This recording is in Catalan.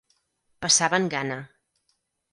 Passaven gana.